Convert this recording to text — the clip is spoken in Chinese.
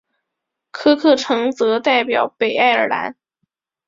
科克城则代表北爱尔兰。